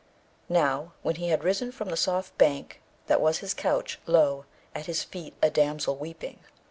Now, when he had risen from the soft green bank that was his couch, lo, at his feet a damsel weeping!